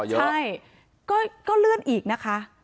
ใช่ก็เลื่อนอีกนะคะ